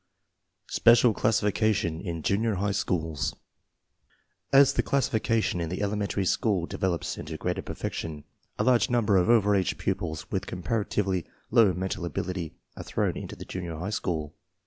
SPECIAL CLASSIFICATION IN JUNIOR HIGH SCHOOLS As the classification in the elementary school de velops into greater perfection, a large number of over age pupils with comparatively low mental ability are thrown into the junior high school.